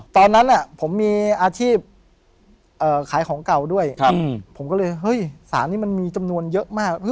ตอนนั้นผมมีอาชีพขายของเก่าด้วยผมก็เลยเฮ้ยสารนี้มันมีจำนวนเยอะมาก